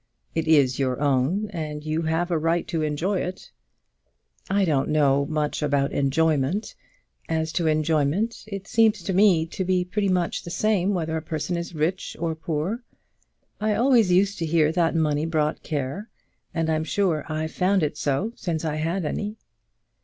"It is your own, and you have a right to enjoy it." "I don't know much about enjoyment. As to enjoyment, it seems to me to be pretty much the same whether a person is rich or poor. I always used to hear that money brought care, and I'm sure I've found it so since I had any."